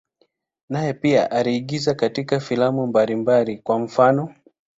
Naye pia aliigiza katika filamu mbalimbali, kwa mfano.